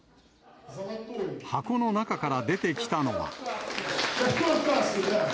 箱の中から出てきたのは。